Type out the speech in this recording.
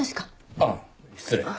ああ失礼。